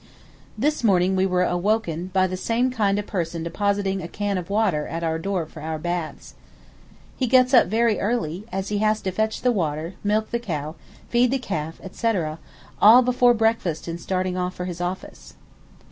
This morning we were awoke by the same kind person depositing a can of water at our door for our baths. He gets up very early, as he has to fetch the water, milk the cow, feed the calf, etc., all before breakfast and starting off for his office.